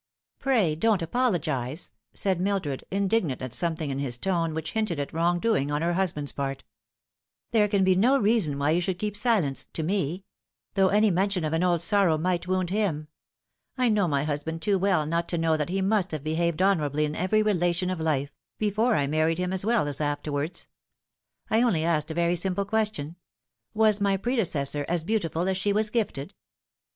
" Pray don't apologise," said Mildred, indignant at something in his tone which hinted at wrong doing on her husband's part. *' There can be no reason why you should keep silence to me ; though any mention of an old sorrow might wound him. I know my husband too well not to know that he must have behaved honourably in every relation of life before I married him as well as afterwards. I only asked a very simple question : vras my predecessor as beautiful as she was gifted